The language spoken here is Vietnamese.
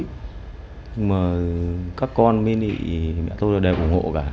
nhưng mà các con mình thì mẹ tôi đều ủng hộ cả